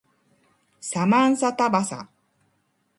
サマンサタバサ